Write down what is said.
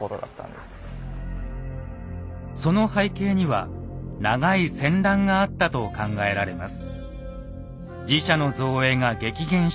その背景には長い戦乱があったと考えられます。